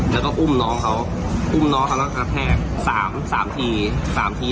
แล้วก็อุ้มน้องเขาอุ้มน้องเขาแล้วกระแทก๓๓ทีสามที